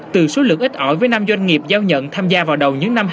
từ số lượng ít ỏi với năm doanh nghiệp giao nhận tham gia vào đầu những năm hai nghìn